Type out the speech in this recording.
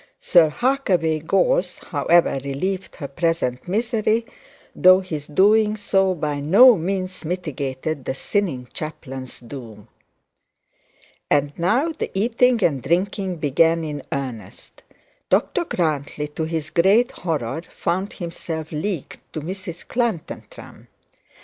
Sir Harkaway Gorse, however, relieved her present misery, though his doing so by no means mitigated the sinning chaplain's doom. And now the eating and drinking began in earnest. Dr Grantly, to his great horror, found himself leagued to Mrs Clantantram.